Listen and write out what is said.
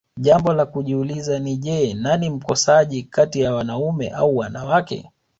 jambo la kujiuliza ni je nani mkosaji kati ya wanaume au wanawake